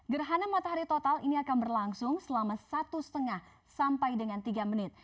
gerhana matahari total ini akan berlangsung selama satu lima sampai dengan tiga menit